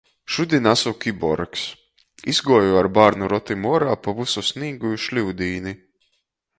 Šudiņ asu kiborgs. Izguoju ar bārnu rotim uorā pa vysu snīgu i šliudūni.